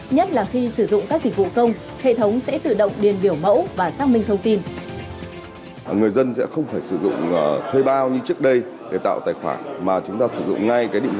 nhất là khi sử dụng các dịch vụ công hệ thống sẽ tự động điền biểu mẫu và xác minh thông tin